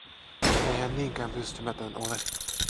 Ei hän niinkään pystymätön ole.